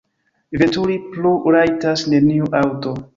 Veturi plu rajtas neniu aŭto.